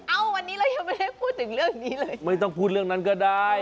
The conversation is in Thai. วันนี้เรายังไม่ได้พูดถึงเรื่องนี้เลยไม่ต้องพูดเรื่องนั้นก็ได้